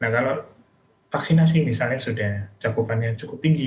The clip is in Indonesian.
kalau vaksinasi misalnya sudah cakupannya cukup tinggi